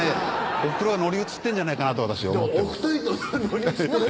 おふくろが乗り移ってんじゃないかなと乗り移ってる？